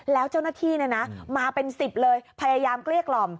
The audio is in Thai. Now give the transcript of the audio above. แล้วเจ้าหน้าที่มาเป็น๑๐เลยพยายามเกลี้ยกล่อม